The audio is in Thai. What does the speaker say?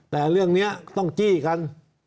แต่เรื่องนี้ต้องจี้กัน